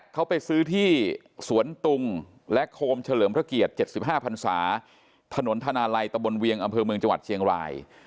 เขาไปซื้อที่สวนตุงและโคมเฉลิมพระเกียรติ๗๕พันศาถนนธนาลัยตะบนเวียงอำเภอเมืองจังหวัดเชียงราย